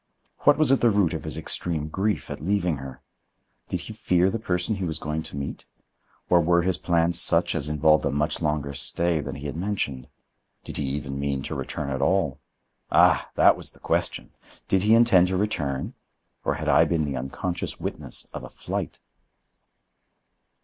What was at the root of his extreme grief at leaving her? Did he fear the person he was going to meet, or were his plans such as involved a much longer stay than he had mentioned? Did he even mean to return at all? Ah, that was the question! Did he intend to return, or had I been the unconscious witness of a flight?